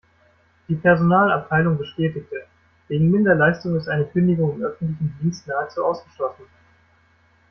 Die Personalabteilung bestätigte: Wegen Minderleistung ist eine Kündigung im öffentlichen Dienst nahezu ausgeschlossen.